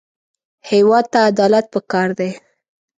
هېواد ته عدالت پکار دی